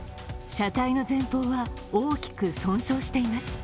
車体の前方は大きく損傷しています。